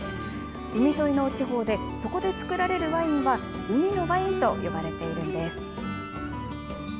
海沿いの地方で、そこで造られるワインは海のワインと呼ばれているんです。